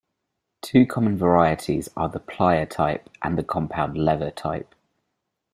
Two common varieties are the plier type and the compound lever type.